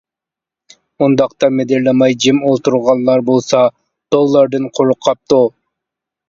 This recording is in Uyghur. ئورۇندۇقتا مىدىرلىماي جىم ئولتۇرغانلار بولسا دوللاردىن قۇرۇق قاپتۇ.